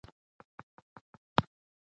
د نړۍ د پرمختګ سره ځان سم کړئ.